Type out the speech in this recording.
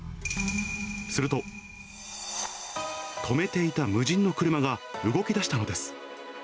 すると、止めていた無人の車が動きだしたのです。